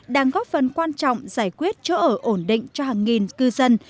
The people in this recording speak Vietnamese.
đang góp phần quan trọng giải quyết chỗ ở ổn định cho hàng nghìn cư dân